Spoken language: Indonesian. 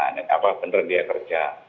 nah apakah benar dia kerja